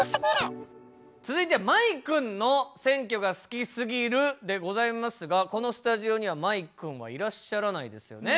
続いては舞くんの「選挙が好きすぎる」でございますがこのスタジオには舞くんはいらっしゃらないですよね。